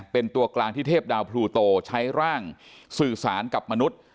เป็นตัวกลางที่เทพดาวพลูโตใช้ร่างสื่อสารกับมนุษย์